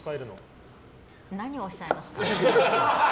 何をおっしゃいますか。